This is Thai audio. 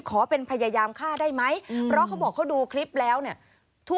ขอเป็นพยายามฆ่าได้ไหมเพราะเขาบอกเขาดูคลิปแล้วเนี่ย